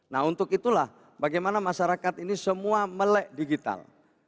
nah untuk itulah bagaimana masyarakat ini semua melek digital